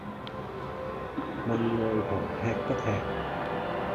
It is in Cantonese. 問外婆吃不吃